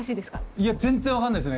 いや全然分かんないっすね。